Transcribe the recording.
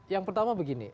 yang pertama begini